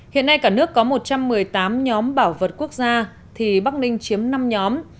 hiện nay cả nước có một trăm một mươi tám nhóm bảo vật quốc gia thì bắc ninh chiếm năm nhóm